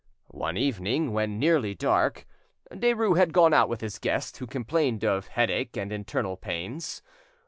One evening, when nearly dark, Derues had gone out with his guest, who complained of headache and internal pains.